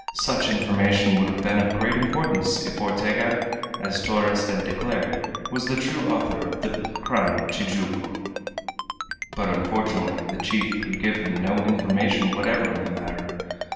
Such information would have been of great importance if Ortega, as Torres had declared, was the true author of the crime of Tijuco. But unfortunately the chief could give him no information whatever in the matter.